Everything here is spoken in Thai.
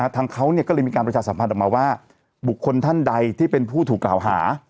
ทางเขาก็เลยมีการประชาสัมพันธ์ออกมาว่าบุคคลท่านใดที่เป็นผู้ถูกกล่าวหา